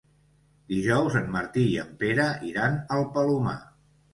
Dijous en Martí i en Pere iran al Palomar.